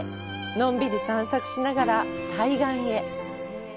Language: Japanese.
のんびり散策しながら対岸へ。